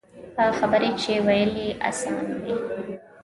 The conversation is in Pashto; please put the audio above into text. هغه خبرې چې ویل یې آسان وي.